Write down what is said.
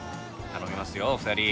頼みますよお二人。